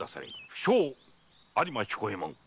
不肖有馬彦右衛門。